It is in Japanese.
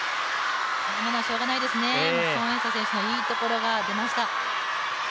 今のはしょうがないですね、孫エイ莎選手のいいところが出ました。